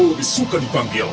atau kau lebih suka dipanggil reza